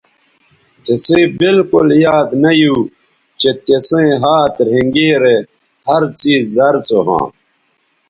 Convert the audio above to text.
تِسئ بالکل یاد نہ یو چہء تسئیں ھات رھینگیرے ھر څیز زر سو ھواں